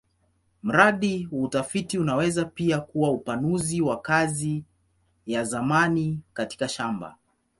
Mradi wa utafiti unaweza pia kuwa upanuzi wa kazi ya zamani katika shamba.